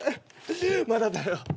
まだだよ。